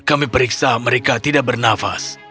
kami periksa mereka tidak bernafas